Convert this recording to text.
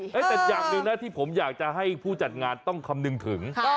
แต่อย่างหนึ่งนะที่ผมอยากจะให้ผู้จัดงานต้องคำนึงถึง